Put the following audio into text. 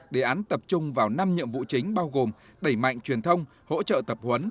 đề án tập trung vào năm nhiệm vụ chính bao gồm đẩy mạnh truyền thông hỗ trợ tập huấn